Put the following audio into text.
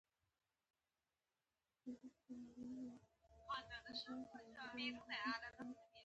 موسی علیه السلام په امسا ووهله او دولس ویالې ترې وبهېدې.